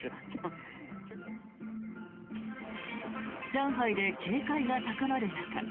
上海で警戒が高まる中